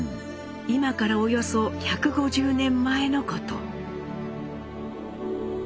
今からおよそ１５０年前のこと。